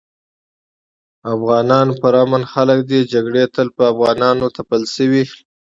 افغانان پر امن خلک دي جګړي تل په افغانانو تپل شوي